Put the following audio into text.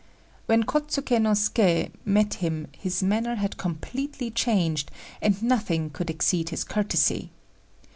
When Kôtsuké no Suké met him his manner had completely changed, and nothing could exceed his courtesy.